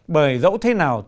bởi dẫu thế nào